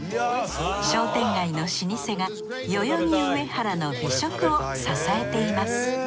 商店街の老舗が代々木上原の美食を支えています